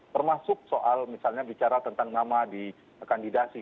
termasuk soal misalnya bicara tentang nama di kandidasi